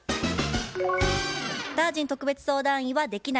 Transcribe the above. タージン特別相談員は「できない」